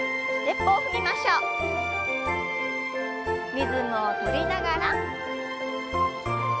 リズムを取りながら。